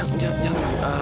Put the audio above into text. eh non jangan jangan jangan